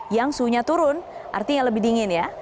yang suhunya turun artinya lebih dingin ya